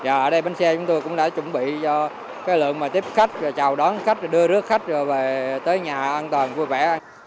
giờ ở đây bến xe chúng tôi cũng đã chuẩn bị cho cái lượng mà tiếp khách và chào đón khách đưa rước khách rồi về tới nhà an toàn vui vẻ